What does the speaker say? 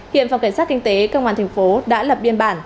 hiện phòng cảnh sát kinh tế công an tp đã lập biên bản